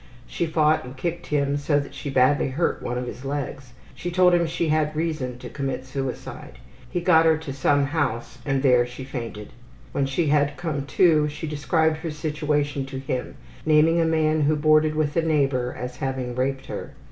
She fought and kicked him so that she badly hurt one of his legs. She told him she had reason to commit suicide. He got her to some house and there she fainted. When she came to she described her situation to him, naming a man who boarded with a neighbor as having raped her.